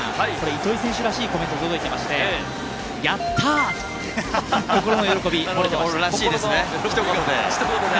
糸井選手らしいコメントが届いていまして、やった！と心の喜びが漏れていました。